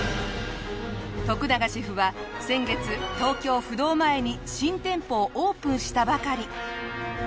永シェフは先月東京不動前に新店舗をオープンしたばかり。